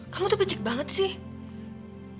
kamu tuh picik banget sih